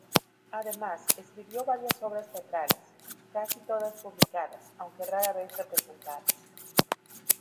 Además, escribió varias obras teatrales, casi todas publicadas, aunque rara vez representadas.